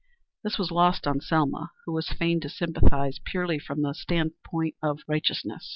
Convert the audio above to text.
This was lost on Selma, who was fain to sympathize purely from the stand point of righteousness.